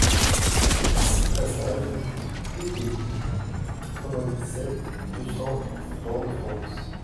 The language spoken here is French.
six passage du The Pays, quatre-vingt-dix-sept, deux cents, Fort-de-France